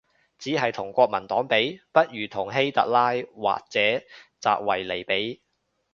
只係同國民黨比？，不如同希特拉或者習維尼比